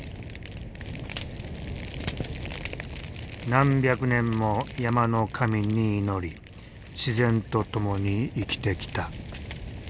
何百年も山の神に祈り自然と共に生きてきた。